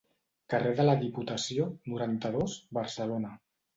Carrer de la Diputació, noranta-dos, Barcelona.